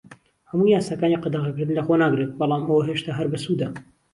هەموو یاساکانی قەدەغەکردن لەخۆ ناگرێت، بەڵام ئەوە هێشتا هەر بەسوودە.